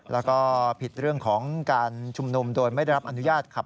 แล้วก็ผิดเรื่องของการชุมนุมโดยไม่ได้รับอนุญาตขับ